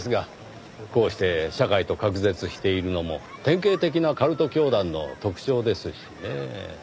こうして社会と隔絶しているのも典型的なカルト教団の特徴ですしねぇ。